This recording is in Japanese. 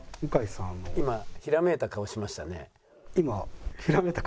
「今ひらめいた顔しましたね」。